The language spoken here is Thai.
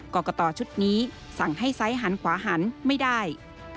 กรกตชุดนี้สั่งให้ไซส์หันขวาหันไม่ได้